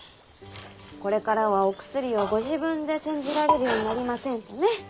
これからはお薬をご自分で煎じられるようになりませんとね。